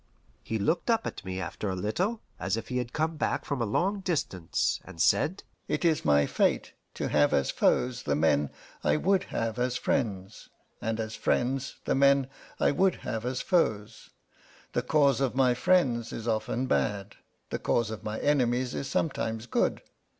He looked up at me after a little, as if he had come back from a long distance, and said, "It is my fate to have as foes the men I would have as friends, and as friends the men I would have as foes. The cause of my friends is often bad; the cause of my enemies is sometimes good.